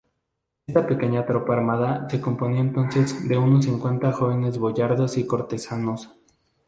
Esta pequeña tropa armada se componía entonces de unos cincuenta jóvenes boyardos y cortesanos.